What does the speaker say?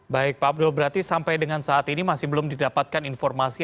baik pak abdul berarti sampai dengan saat ini masih belum didapatkan informasi